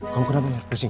kamu kenapa mir pusing